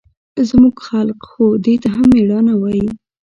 زموږ خلق خو دې ته هم مېړانه وايي.